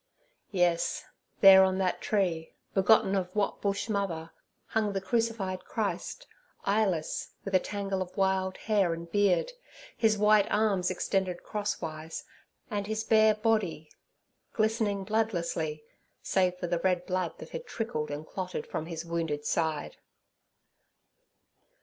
Yes, there, on that tree, begotten of what Bush—mother, hung the crucified Christ—eyeless, with a tangle of wild hair and beard, His white arms extended crosswise, and His bare body glistening bloodlessly, save for the red blood that had trickled and clotted from His wounded side.